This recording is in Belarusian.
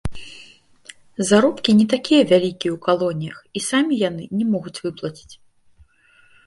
Заробкі не такія вялікія ў калоніях, і самі яны не могуць выплаціць.